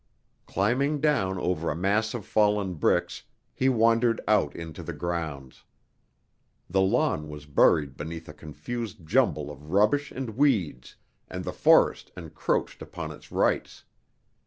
Climbing down over a mass of fallen bricks, he wandered out into the grounds. The lawn was buried beneath a confused jumble of rubbish and weeds, and the forest encroached upon its rights.